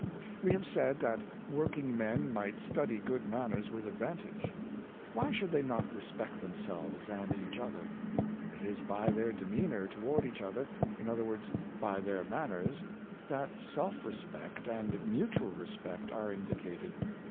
We have said that working men might study good manners with advantage. Why should they not respect themselves and each other .^ It is by their demeanor toward each other — in other words, by their manners — that self respect and mutual respect are indi cated.